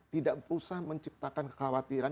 tidak usah menciptakan kekhawatiran